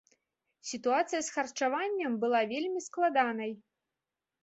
Сітуацыя з харчаваннем была вельмі складанай.